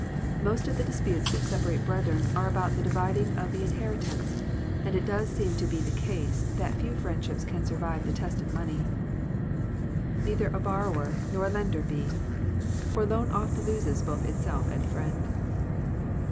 Most of the disputes which separate brethren are about the dividing of the inheritance, and it does seem to be the case that few friendships can survive the test of money. Neither a borrower, nor a lender be ; For loan oft loses both itself and friend.